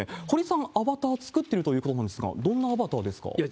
堀さん、アバター作ってるということなんですが、どんなアバターですか？